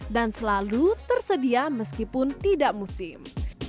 dan selalu tersedia meskipun tidak musim